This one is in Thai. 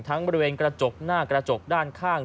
บริเวณกระจกหน้ากระจกด้านข้าง